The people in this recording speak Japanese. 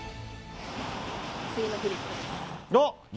次のフリップです。